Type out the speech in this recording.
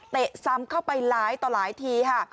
ซ้ำเข้าไปหลายต่อหลายทีค่ะ